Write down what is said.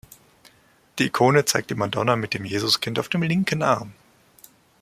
Die Ikone zeigt die Madonna mit dem Jesuskind auf dem linken Arm.